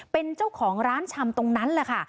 เป็นเจ้าของร้านชำตรงนั้นแหละค่ะ